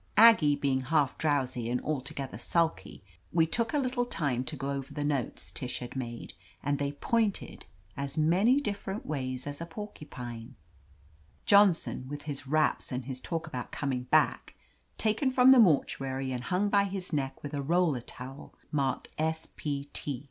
Aggie being half drowsy and altogether sulky, we took a little time to go over the notes Tish had made, and they pointed as many dif ferent ways as a porcupine — ^Johnson, with his 105 THE AMAZING ADVENTURES raps and his talk about coming back, taken from the mortuary and hung by his neck with a roller towel marked S. P. T.